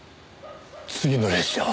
次の列車は？